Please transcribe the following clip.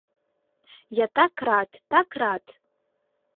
Я так рад, так рад.